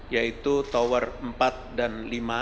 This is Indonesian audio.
yaitu tower empat dan lima